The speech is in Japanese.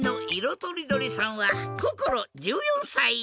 とりどりさんはこころ１４さい。